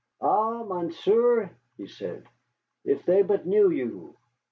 "Ah, monsieur," he said, "if they but knew you!